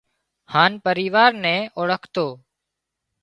هانَ پريوار نين اوۯکتو